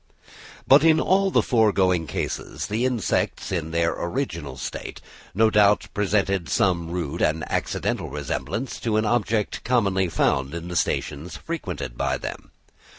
But in all the foregoing cases the insects in their original state no doubt presented some rude and accidental resemblance to an object commonly found in the stations frequented by them.